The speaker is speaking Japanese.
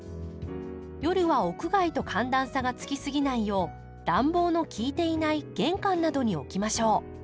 夜は屋外と寒暖差がつきすぎないよう暖房の効いていない玄関などに置きましょう。